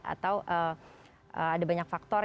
atau ada banyak faktor